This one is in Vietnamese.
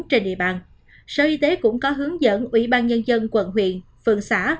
trên địa bàn sở y tế cũng có hướng dẫn ủy ban nhân dân quận huyện phường xã